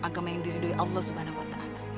agama yang diridui allah swt